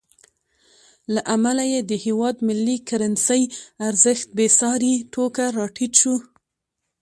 له امله یې د هېواد ملي کرنسۍ ارزښت بېساري توګه راټیټ شو.